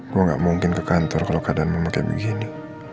gue gak mungkin ke kantor kalau keadaan mau kayak begini